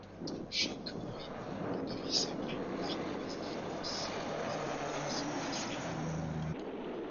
Choc horrible, les demi-soldes narquois et féroces abordaient les soldats sévères.